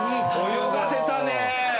泳がせたね！